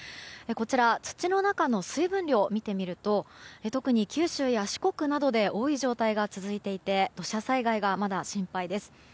こちら土の中の水分量を見てみると特に九州や四国などで多い状態が続いていて土砂災害がまだ心配です。